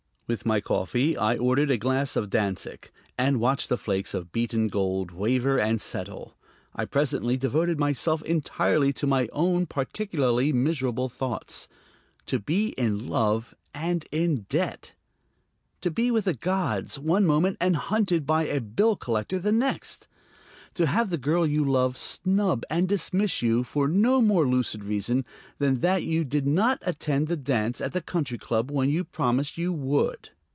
With my coffee I ordered a glass of Dantzic, and watched the flakes of beaten gold waver and settle; and presently I devoted myself entirely to my own particularly miserable thoughts.... To be in love and in debt! To be with the gods one moment and hunted by a bill collector the next! To have the girl you love snub and dismiss you for no more lucid reason than that you did not attend the dance at the Country Club when you promised you would!